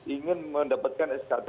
ingin mendapatkan skt